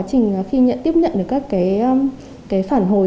trình khi tiếp nhận được các phản hồi